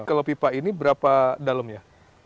kalau pipa ini berapa dalem ya